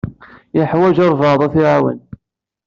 Yeḥwaj albaɛḍ ara t-iɛawnen.